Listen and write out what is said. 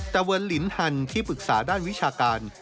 เวิร์นลินฮันที่ปรึกษาด้านวิชาการ